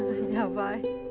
やばい。